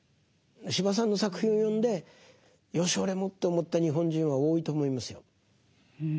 司馬さんの作品を読んでよし俺もと思った日本人は多いと思いますよ。